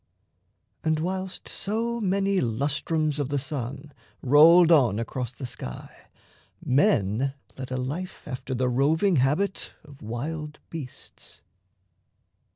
And whilst so many lustrums of the sun Rolled on across the sky, men led a life After the roving habit of wild beasts.